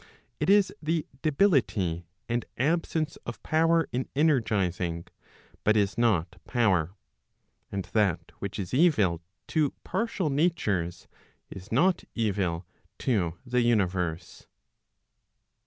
It is the debility and absence of power in energizing, but is not power. And that which is evil to partial natures, is not evil to the universe.